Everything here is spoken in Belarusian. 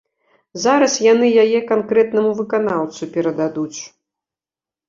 Зараз яны яе канкрэтнаму выканаўцу перададуць.